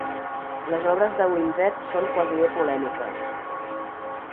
Les obres de Winzet són quasi bé polèmiques.